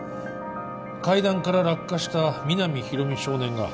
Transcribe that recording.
「階段から落下した皆実広見少年が」